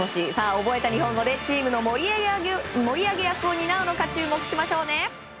覚えた日本語でチームの盛り上げ役を担うのか注目しましょうね。